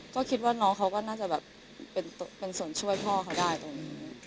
ก็คิดว่าน้องเขาก็น่าจะแบบเป็นส่วนช่วยพ่อเขาได้ตรงนี้